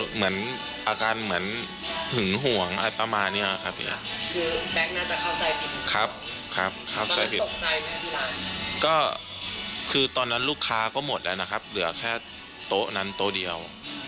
เหมือนอาการเหมือนหึงห่วงอะไรประมาณเนี้ยครับพี่คือแบงค์น่าจะเข้าใจผิดครับครับเข้าใจผิดก็คือตอนนั้นลูกค้าก็หมดแล้วนะครับเหลือแค่โต๊ะนั้นโต๊ะเดียว